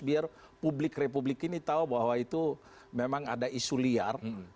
biar publik republik ini tahu bahwa itu memang ada isu liar